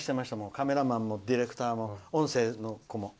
カメラマンもディレクターも音声の子も。